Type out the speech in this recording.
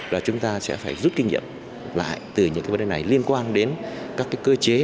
là chúng ta sẽ phải rút kinh nghiệm lại từ những cái vấn đề này liên quan đến các cái cơ chế